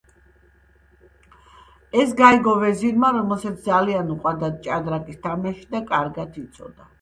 ეს გაიგო ვეზირმა, რომელსაც ძალიან უყვარდა ჭადრაკის თამაში და კარგადაც იცოდა.